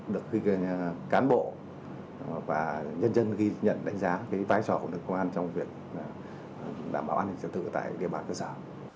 được khi cán bộ và nhân dân ghi nhận đánh giá cái tái trò của nước công an trong việc đảm bảo an ninh trật tự tại địa bàn cơ sở